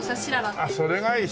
あっそれがいい。